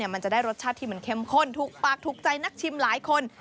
มันจะได้รสชาติที่มันเข้มข้นถูกปากถูกใจนักชิมหลายคน